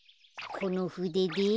このふでで。